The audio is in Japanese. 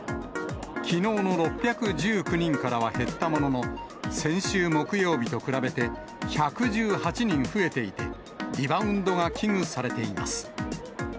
きのうの６１９人からは減ったものの、先週木曜日と比べて、１１８人増えていて、リバウンドが危惧されています。